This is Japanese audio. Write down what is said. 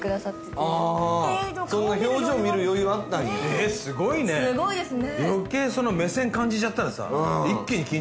えっすごいねすごいですね